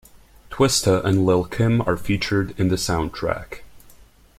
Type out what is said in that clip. Twista and Lil' Kim are featured in the soundtrack.